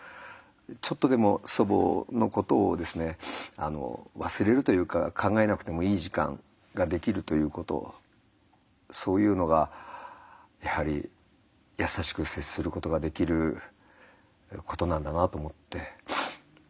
ちょっとでも祖母のことをですね忘れるというか考えなくてもいい時間ができるということそういうのがやはり優しく接することができることなんだなと思って。